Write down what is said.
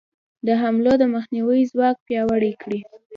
د حملو د مخنیوي ځواک پیاوړی کړي.